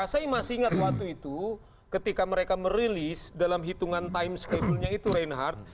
saya masih ingat waktu itu ketika mereka merilis dalam hitungan time skabulnya itu reinhardt